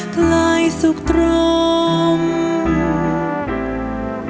ใกล้สุขตรง